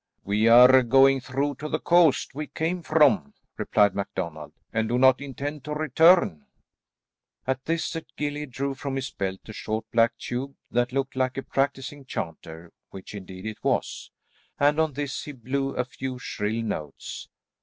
"We are going through to the coast we came from," replied MacDonald, "and do not intend to return." At this the gillie drew from his belt a short black tube that looked like a practising chanter, which indeed it was, and on this he blew a few shrill notes.